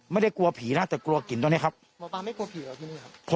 ไม่ได้กลัวผีนะแต่กลัวกลิ่นตัวนี้ครับหมอปลาไม่กลัวผีครับที่นี่ครับ